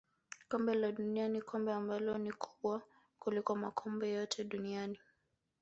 kombe la dunia ni kombe ambalo ni kubwa kuliko makombe yote duniani